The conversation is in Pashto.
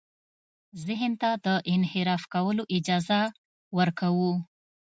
ذهن ته د انحراف کولو اجازه ورکوو.